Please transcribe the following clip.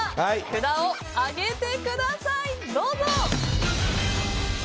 札を上げてください、どうぞ！